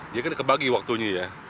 dia kan kebagi waktunya ya